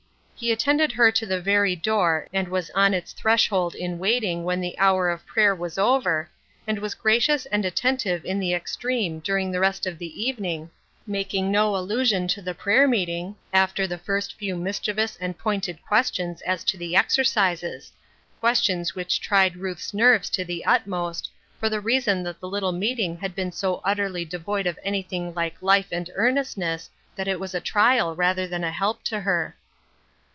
He at tended her to the very door and was on its thresh old in waiting when the hour of prayer was over, and was gracious and attentive in the ex ti em€ during the rest of the evening, making n« 402 Ruth Ershine's Orosset, allusion to the prayer meeting, after the first few mischievoQS and pointed questions as to the ex ercises, questions which tried Ruth's nerves to the utmost, for the reason that the little meeting had been so utterly devoid of anything like life and earnestness that it was a trial rather than a help to her.